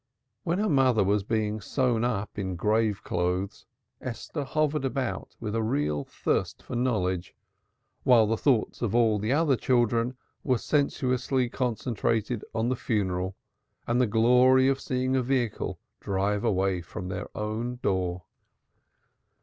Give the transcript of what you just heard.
When her mother was being tied up in grave clothes, Esther hovered about with a real thirst for knowledge while the thoughts of all the other children were sensuously concentrated on the funeral and the glory of seeing a vehicle drive away from their own door.